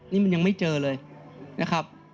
นี่มันยังไม่เจอเลยนะครับ